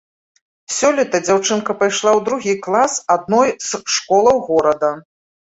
Сёлета дзяўчынка пайшла ў другі клас адной з школаў горада.